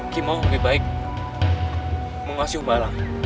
ki mau lebih baik menguasai umbalang